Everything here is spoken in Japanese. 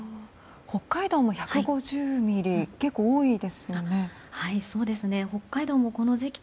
北海道も１５０ミリ結構、多いですね。